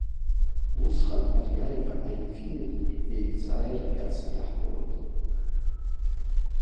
Усҟан ари ажәа аинфиниттә еицааира иацны иаҳԥылоит.